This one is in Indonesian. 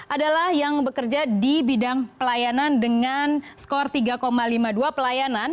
adalah yang bekerja di bidang pelayanan dengan skor tiga lima puluh dua pelayanan